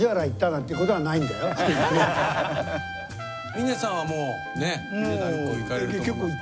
峰さんはもうねっ。